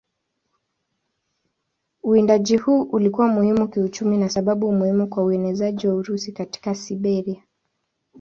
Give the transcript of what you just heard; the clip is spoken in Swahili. Uwindaji huu ulikuwa muhimu kiuchumi na sababu muhimu kwa uenezaji wa Urusi katika Siberia.